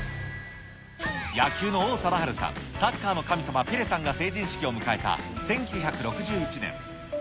野球の王貞治さん、サッカーの神様、ペレさんが成人式を迎えた１９６１年。